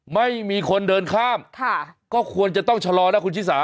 ไม่มีคนเดินข้ามก็ควรจะต้องชะลอนะคุณชิสา